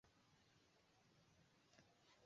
zilizoongozwa na Umoja wa Kisovyeti Mwanzo wa miaka ya